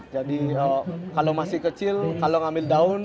jadi kalau masih kecil kalau ngambil daun